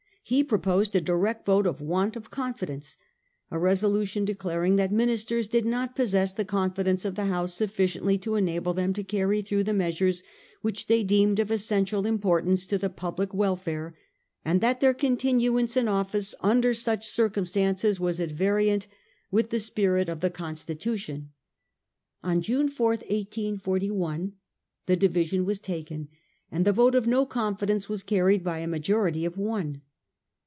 He proposed a direct vote of want of confidence — a resolution declaring that ministers did not possess the confidence of the House sufficiently to enable them to carry through the measures which they deemed of essential importance to the public welfare, and that their continuance in office under such circumstances was at variance with the spirit of 1841. THE FALL AT LAST. 203 the Constitution. On June 4, 1841, the division was taken ; and the vote of no confidence was carried by a majority of one.